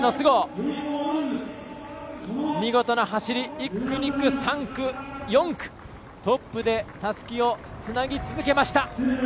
１区、２区、３区、４区トップでたすきをつなぎ続けました。